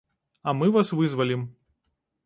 А мы вас вызвалім.